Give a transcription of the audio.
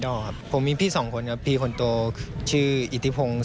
แต่ก็ทำให้เขาได้ประสบการณ์ชั้นดีของชีวิตดำมาพัฒนาต่อยอดสู่การแข่งขันบนเวทีทีมชาติไทย